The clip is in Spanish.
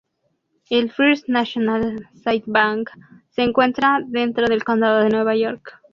El First National City Bank se encuentra dentro del condado de Nueva York.